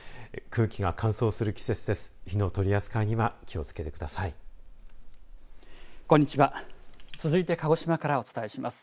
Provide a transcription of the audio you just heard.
空気が乾燥する季節です。